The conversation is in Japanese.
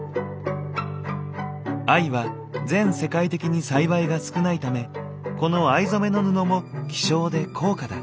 藍は全世界的に栽培が少ないためこの藍染めの布も希少で高価だ。